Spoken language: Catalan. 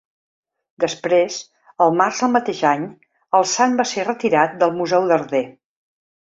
Després, al març del mateix any el san va ser retirat del Museu Darder.